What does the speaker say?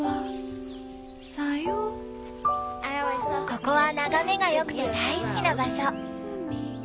ここは眺めが良くて大好きな場所。